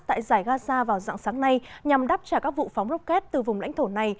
tại giải gaza vào dạng sáng nay nhằm đáp trả các vụ phóng rocket từ vùng lãnh thổ này